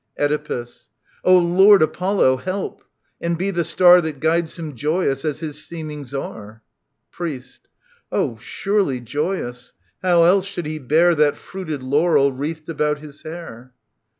Oedipus. O Lord Apollo, help ! And be the star That guides him joyous as his seemings are ! Priest. Oh ! surely joyous ! How else should he bear That fruited laurel wreathed about his hair